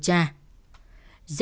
các quan điều tra